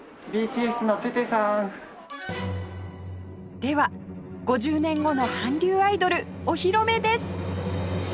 では５０年後の韓流アイドルお披露目です